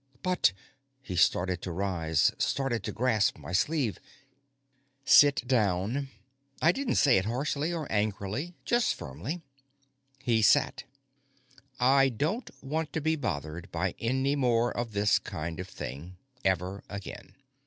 "But " He started to rise, started to grasp my sleeve. "Sit down." I didn't say it harshly or angrily, just firmly. He sat. "I don't want to be bothered by any more of this kind of thing. Ever again.